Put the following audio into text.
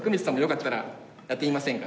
やってみませんか？